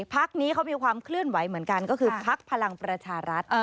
พักนี้เขามีความเคลื่อนไหวเหมือนกันก็คือพักพลังประชารัฐ